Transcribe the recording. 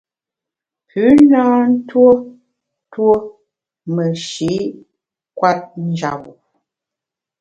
Pü na ntuo tuo meshi’ kwet njap-bu.